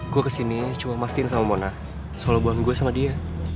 gue kesini cuma mau pastiin sama mona soalnya bohong gue sama dia